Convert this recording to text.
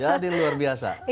jadi luar biasa